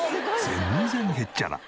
全然へっちゃら。